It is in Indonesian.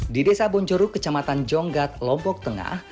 di desa bonjoruk kecamatan jonggat lombok tengah